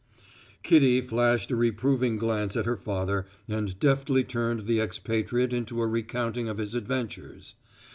Kitty flashed a reproving glance at her father and deftly turned the expatriate into a recounting of his adventures.